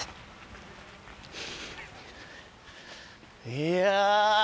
いや！